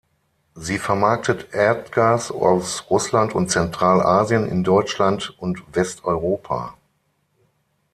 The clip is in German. Sie vermarktet Erdgas aus Russland und Zentralasien in Deutschland und Westeuropa.